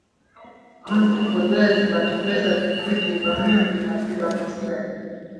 Mu kolwezi ba tembeza pikipiki ba mingi ni ba kasayi